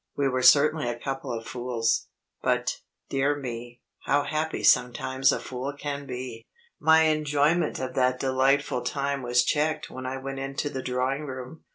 We were certainly a couple of fools. But, dear me, how happy sometimes a fool can be! My enjoyment of that delightful time was checked when I went into the drawing room.